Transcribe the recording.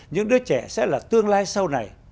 những đứa trẻ sẽ là tương lai sau này